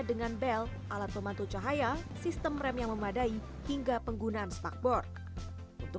dengan bel alat pemantu cahaya sistem rem yang memadai hingga penggunaan spakboard untuk